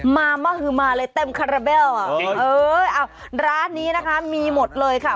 มามะฮือมาเลยเต็มคาราเบลอ่ะเออเอาร้านนี้นะคะมีหมดเลยค่ะ